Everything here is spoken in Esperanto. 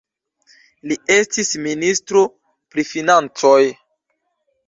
Li estis ministro pri Financoj.